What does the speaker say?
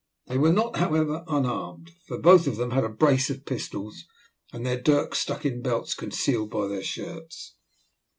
They were not however unarmed, for both of them had a brace of pistols and their dirks stuck in belts concealed by their shirts.